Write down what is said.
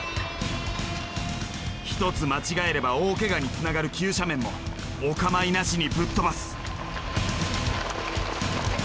一つ間違えれば大けがにつながる急斜面もお構いなしにぶっ飛ばす。